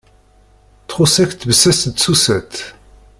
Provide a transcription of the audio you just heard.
Txus-ak tbessast d tsusat?